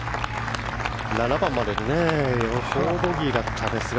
７番まで４ボギーだったんですが。